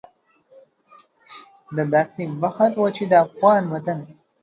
دا داسې وخت و چې د افغان وطن